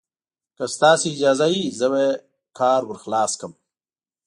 که ستاسې اجازه وي، زه به یې کار ور خلاص کړم.